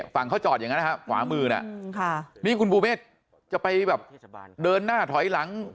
ฝั่งเขาจอดอย่างนั้นนะครับขวามือน่ะนี่คุณภูเมฆจะไปแบบเดินหน้าถอยหลัง